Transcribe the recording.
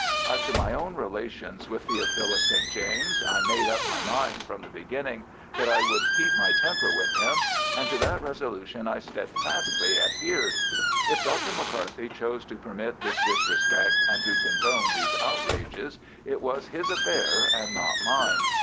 As to my own relations with Theophilus St. James, I made up my mind from the beginning that I should keep my temper with him, and to that resolution I steadfastly adhered. If Dr. McCarthy chose to permit this disrespect, and to condone these outrages, it was his affair and not mine.